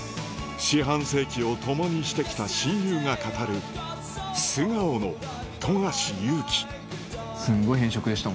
四半世紀を共にしてきた親友が語る素顔の富樫勇樹